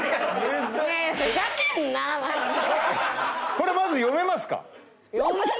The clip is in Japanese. これまず読めますか？